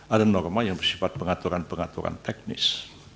ada norma yang bersifat pengaturan pengaturan teknis